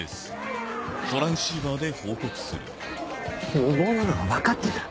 無謀なのは分かってる。